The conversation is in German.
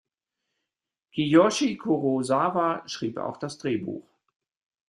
Kiyoshi Kurosawa schrieb auch das Drehbuch.